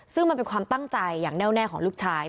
ซึ่งมันเป็นความตั้งใจอย่างแน่วแน่ของลูกชาย